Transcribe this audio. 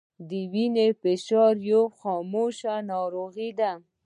د وینې فشار یوه خاموشه ناروغي ده